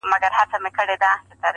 نور څه نه لرم خو ځان مي ترې قربان دی،